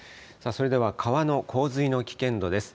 それでは川の洪水の危険度です。